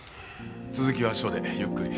続きは署でゆっくり。